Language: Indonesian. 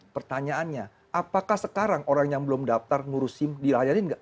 pertanyaannya apakah sekarang orang yang belum daftar ngurus sim dilayani nggak